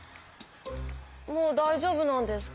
もうだいじょうぶなんですか？